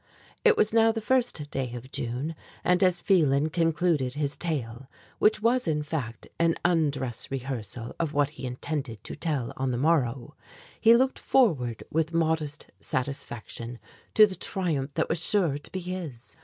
It was now the first day of June and as Phelan concluded his tale, which was in fact an undress rehearsal of what he intended to tell on the morrow, he looked forward with modest satisfaction to the triumph that was sure to be his.